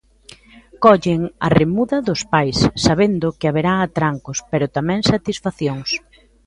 Collen a remuda dos pais sabendo que haberá atrancos, pero tamén satisfaccións.